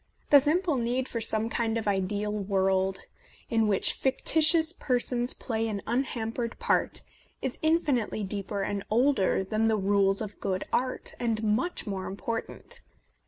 The simple need for some kind of ideal world in which fictitious per sons play an unhampered part is infinitely deeper and older than the rules of good art, and much more important.